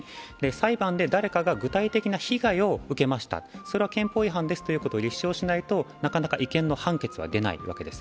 裁判で誰かが具体的な被害を受けました、それは憲法違反ですということを立証しないとなかなか違憲の判決は出ないわけです。